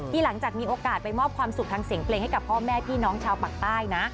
หลังจากมีโอกาสไปมอบความสุขทางเสียงเพลงให้กับพ่อแม่พี่น้องชาวปากใต้นะ